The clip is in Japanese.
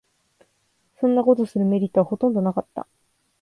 そんなことするメリットはほとんどなかった